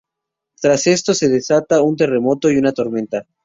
Tras esto se desata un terremoto y una tormenta.